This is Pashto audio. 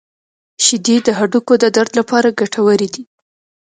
• شیدې د هډوکو د درد لپاره ګټورې دي.